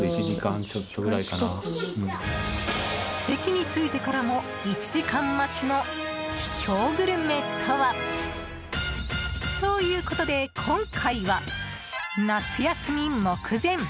席に着いてからも１時間待ちの秘境グルメとは？ということで、今回は夏休み目前！